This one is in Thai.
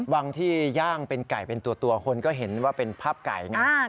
บางที่ย่างเป็นไก่เป็นตัวคนก็เห็นว่าเป็นภาพไก่ไง